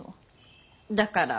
だから。